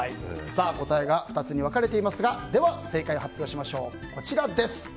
答えが２つに分かれていますがでは正解を発表しましょう。